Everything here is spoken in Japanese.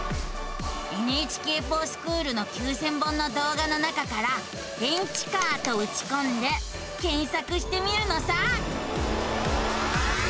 「ＮＨＫｆｏｒＳｃｈｏｏｌ」の９，０００本の動画の中から「電池カー」とうちこんで検索してみるのさ。